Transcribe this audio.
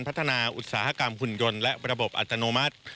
พัฒนาอุตสาหกรรมหุ่นยนต์และระบบอัตโนมัติ